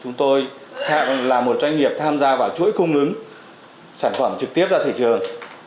chúng tôi là một doanh nghiệp tham gia vào chuỗi cung ứng sản phẩm trực tiếp ra thị trường